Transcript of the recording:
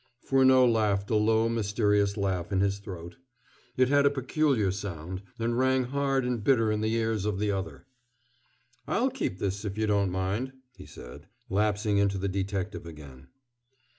Furneaux laughed a low, mysterious laugh in his throat. It had a peculiar sound, and rang hard and bitter in the ears of the other. "I'll keep this, if you don't mind," he said, lapsing into the detective again.